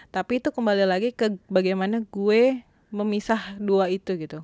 tapi itu kembali lagi ke bagaimana gue memisah dua itu gitu